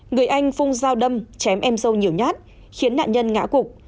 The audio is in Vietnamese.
người anh phung dao đâm chém em dâu nhiều nhát khiến nạn nhân ngã cục